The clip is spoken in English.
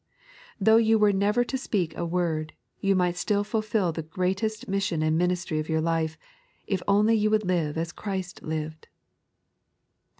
Though you were never to speak a word, you might still fulfil the greatest mission and ministry of your life, if only you would live as Christ lived.